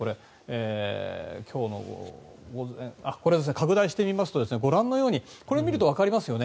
拡大してみますとご覧のようにこれを見るとわかりますよね。